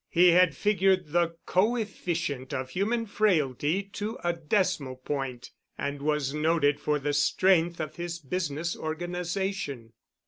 He had figured the coefficient of human frailty to a decimal point, and was noted for the strength of his business organization.